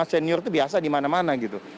senior itu biasa di mana mana gitu